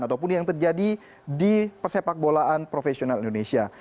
ataupun yang terjadi di persepak bolaan profesional indonesia